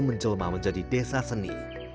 menjelma menjadi desa seni